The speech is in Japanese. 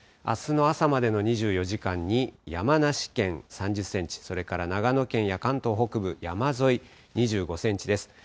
あすの朝までの２４時間に、山梨県３０センチ、それから長野県や関東北部山沿い２５センチです。